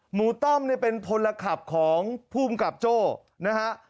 หมู่ต้อมเนี่ยเป็นพลคับของผู้กำกับโจ้นะฮะ